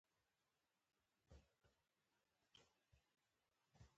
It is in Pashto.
سیلابونه د افغان ځوانانو د هیلو استازیتوب کوي.